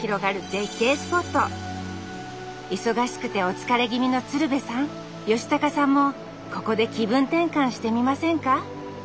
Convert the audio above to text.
忙しくてお疲れ気味の鶴瓶さん吉高さんもここで気分転換してみませんか。